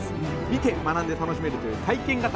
見て学んで楽しめるという体験型